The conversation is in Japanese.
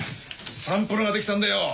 サンプルが出来たんだよ。